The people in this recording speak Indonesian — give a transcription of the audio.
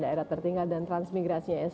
daerah tertingga dan transmigrasi